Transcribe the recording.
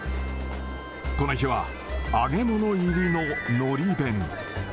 この日は、揚げ物入りののり弁。